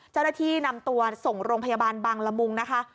เจ้าหน้าที่นำตัวส่งโรงพยาบาลบังละมุงนะคะ